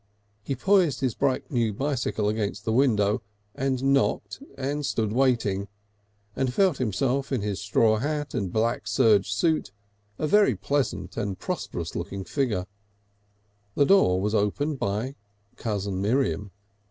He poised his bright new bicycle against the window, and knocked and stood waiting, and felt himself in his straw hat and black serge suit a very pleasant and prosperous looking figure. The door was opened by cousin Miriam.